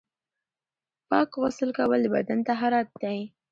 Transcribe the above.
پاک غسل کول د بدن طهارت دی.